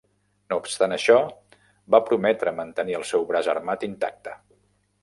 No obstant això, va prometre mantenir el seu braç armat intacte.